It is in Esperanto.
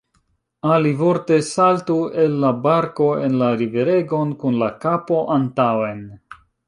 Alivorte: saltu el la barko en la riveregon, kun la kapo antaŭen!